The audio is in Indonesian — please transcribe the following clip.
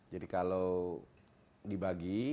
jadi kalau dibagi